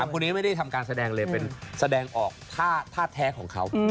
คนนี้ไม่ได้ทำการแสดงเลยเป็นแสดงออกท่าแท้ของเขา